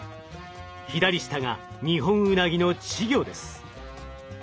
左下がニホンウナギの稚魚です。